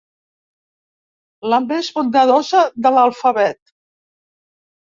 La més bondadosa de l'alfabet.